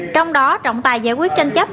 trong đó trọng tài giải quyết tranh chấp